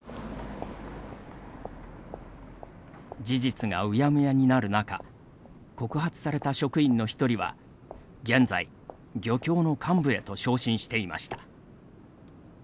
事実がうやむやになる中告発された職員の１人は現在、漁協の幹部へと昇進していました。